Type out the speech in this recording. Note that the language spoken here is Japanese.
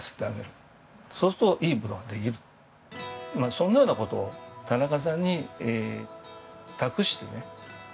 そんなような事を田中さんに託してね